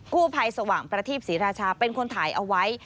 กู้ภัยสว่างประทีปศรีราชาเป็นคนถ่ายเอาไว้